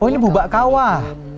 oh ini bubak kawah